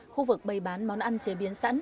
khu vực bày bán món ăn chế biến sẵn